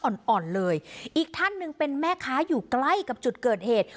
อ่อนอ่อนเลยอีกท่านหนึ่งเป็นแม่ค้าอยู่ใกล้กับจุดเกิดเหตุ